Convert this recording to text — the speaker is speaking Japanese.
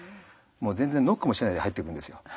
全然ノックもしないで入ってくるんですよ。